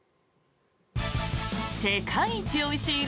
世界一おいしい